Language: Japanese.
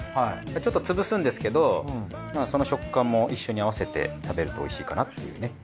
ちょっと潰すんですけどその食感も一緒に合わせて食べるとおいしいかなっていうね。